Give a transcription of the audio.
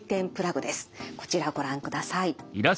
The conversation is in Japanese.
こちらご覧ください。